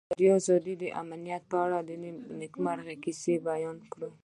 ازادي راډیو د امنیت په اړه د نېکمرغۍ کیسې بیان کړې.